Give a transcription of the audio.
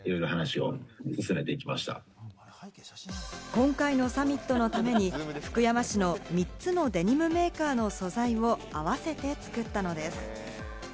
今回のサミットのために、福山市の３つのデニムメーカーの素材を合わせて作ったのです。